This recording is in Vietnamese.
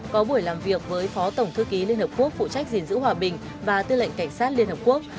có buổi làm việc với phó tổng thư ký liên hợp quốc phụ trách gìn giữ hòa bình và tư lệnh cảnh sát liên hợp quốc